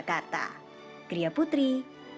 jakarta kriya putri jakarta